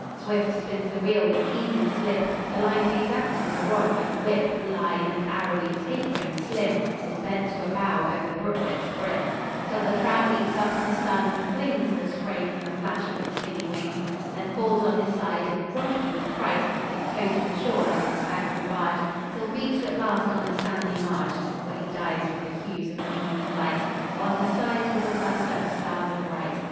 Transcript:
Swift spins the reel; with easy slip The line pays out, and the rod like a whip, Lithe and arrowy, tapering, slim, Is bent to a bow o'er the brooklet's brim, Till the trout leaps up in the sun, and flings The spray from the flash of his finny wings; Then falls on his side, and, drunken with fright, Is towed to the shore like a staggering barge, Till beached at last on the sandy marge, Where he dies with the hues of the morning light, While his sides with a cluster of stars are bright.